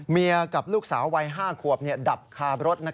เมียกับลูกสาววัย๕ควบดับคาบรถ